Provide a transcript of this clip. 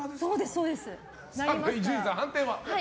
伊集院さん、判定は？